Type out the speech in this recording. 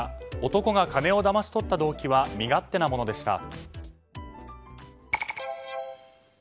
男が金をだまし取った動機は身勝手なものでした。